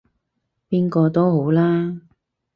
邊個都好啦